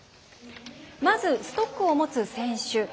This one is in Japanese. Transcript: まず、ストックを持つ選手。